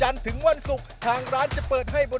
ฮะกินล้างจานได้เหรอใช่